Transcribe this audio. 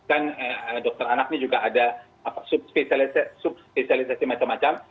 kan dokter anak ini juga ada substisialisasi macam macam